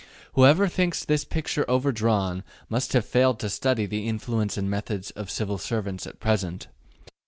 Whoever thinks this picture overdrawn must have failed to study the influence and methods of Civil Servants at present.